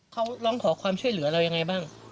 เขาร้องขอความช่วยเหลือเรายังไงบ้าง